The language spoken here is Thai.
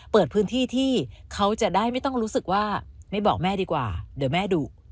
เปิดพื้นที่ที่เขาจะได้ไม่ต้องรู้สึกว่าไม่บอกแม่ดีกว่าเดี๋ยวแม่ดุ